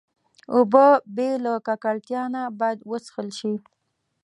اوبه بې له ککړتیا نه باید وڅښل شي.